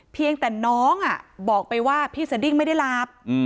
เพียงแต่น้องบอกไปว่าพี่สดิ้งไม่ได้หลับ